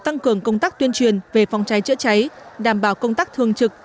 tăng cường công tác tuyên truyền về phòng cháy chữa cháy đảm bảo công tác thường trực